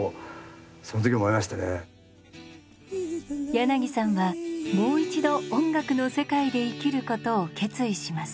柳さんはもう一度音楽の世界で生きることを決意します。